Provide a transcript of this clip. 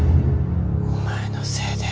お前のせいで。